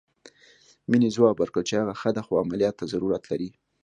مينې ځواب ورکړ چې هغه ښه ده خو عمليات ته ضرورت لري.